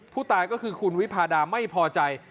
ผู้ตายก็คือคุณวิพาดาไม่พอใจ